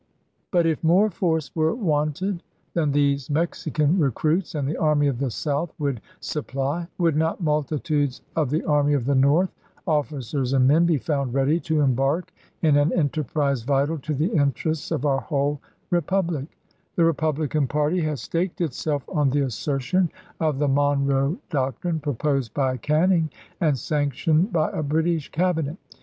"' But if more force were wanted than these Mexi can recruits and the army of the South would sup ply, would not multitudes of the army of the North, officers and men, be found ready to embark in an enterprise vital to the interests of our whole Re public f The Republican party has staked itself on the assertion of the Monroe Doctrine proposed by Canning and sanctioned by a British cabinet.